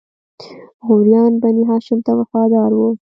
غوریان بنی هاشم ته وفادار وو.